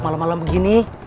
malam malam begini